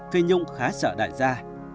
phi nhung khá sợ đại gia